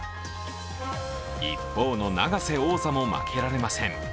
一方の永瀬王座も負けられません